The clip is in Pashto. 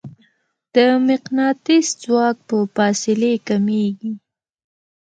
د مقناطیس ځواک په فاصلې کمېږي.